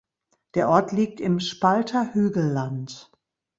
Der Ort liegt im Spalter Hügelland.